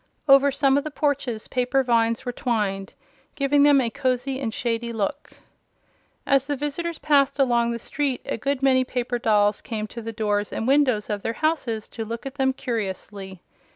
Over some of the porches paper vines were twined, giving them a cozy and shady look. As the visitors passed along the street a good many paper dolls came to the doors and windows of their houses to look at them curiously.